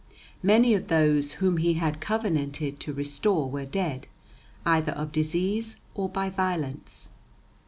Many of those whom he had covenanted to restore were dead, either of disease or by violence.